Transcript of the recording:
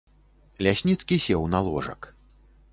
Лясніцкі сеў на ложак.